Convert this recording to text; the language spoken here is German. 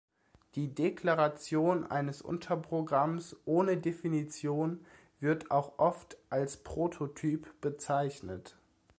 Die Deklaration eines Unterprogramms ohne Definition wird auch oft als Prototyp bezeichnet.